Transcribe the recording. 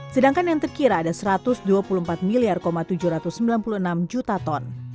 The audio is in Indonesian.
sedangkan yang terkira ada satu ratus dua puluh empat miliar tujuh ratus sembilan puluh enam juta ton